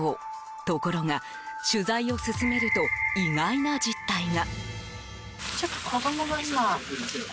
ところが、取材を進めると意外な実態が。